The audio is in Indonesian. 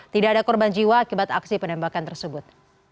tidak ada korban jiwa akibat aksi penembakan tersebut